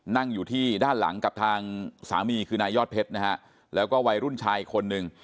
นั่งอยู่ที่ด้านหลังกับทางสามีคือนายยอดเพชรนะฮะแล้วก็วัยรุ่นชายอีกคนนึง